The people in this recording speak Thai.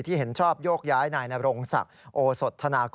เห็นชอบโยกย้ายนายนรงศักดิ์โอสดธนากร